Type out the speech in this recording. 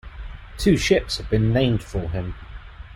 Two ships have been named for him.